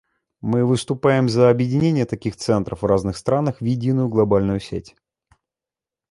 Мы выступаем за объединение таких центров в разных странах в единую глобальную сеть.